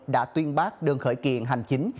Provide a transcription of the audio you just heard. đã tuyên bác đơn khởi kiện hành chính